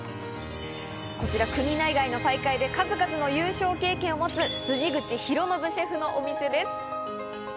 こちら、国内外の大会で優勝経験を持つ辻口博啓シェフのお店です。